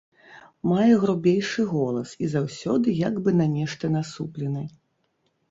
Мае грубейшы голас і заўсёды як бы на нешта насуплены.